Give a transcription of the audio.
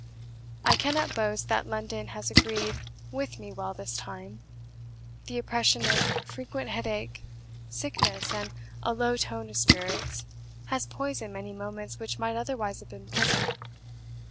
"I cannot boast that London has agreed with me well this time; the oppression of frequent headache, sickness, and a low tone of spirits, has poisoned many moments which might otherwise have been pleasant.